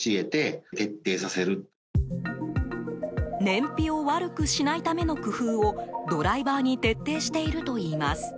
燃費を悪くしないための工夫をドライバーに徹底しているといいます。